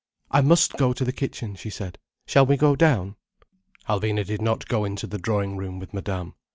"I must go to the kitchen," she said. "Shall we go down?" Alvina did not go into the drawing room with Madame.